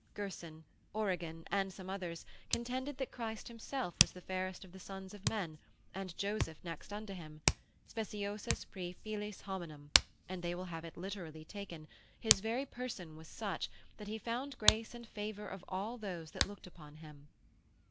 Gerson, Origen, and some others, contended that Christ himself was the fairest of the sons of men, and Joseph next unto him, speciosus prae filiis hominum, and they will have it literally taken; his very person was such, that he found grace and favour of all those that looked upon him.